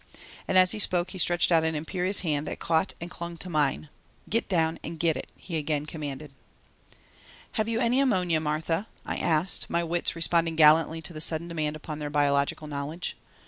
And as he spoke he stretched out an imperious hand that caught and clung to mine. "Git down and git it," he again commanded. "Have you any ammonia, Martha?" I asked, my wits responding gallantly to the sudden demand upon their biological knowledge.